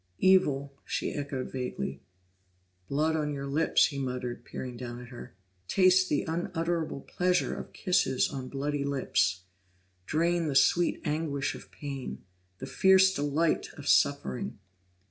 "Evil," she echoed vaguely. "Blood on your lips!" he muttered, peering down at her. "Taste the unutterable pleasure of kisses on bloody lips; drain the sweet anguish of pain, the fierce delight of suffering!"